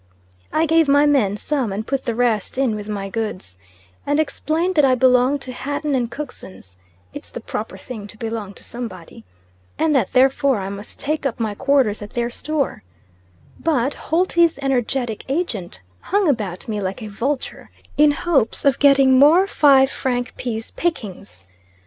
I gave my men some and put the rest in with my goods, and explained that I belonged to Hatton and Cookson's (it's the proper thing to belong to somebody), and that therefore I must take up my quarters at their Store; but Holty's energetic agent hung about me like a vulture in hopes of getting more five franc piece pickings.